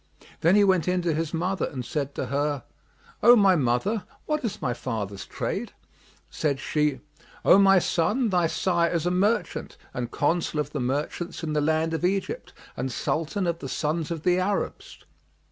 Then he went in to his mother and said to her, "O my mother, what is my father's trade?" Said she, "O my son, thy sire is a merchant and Consul of the merchants in the land of Egypt and Sultan of the Sons of the Arabs.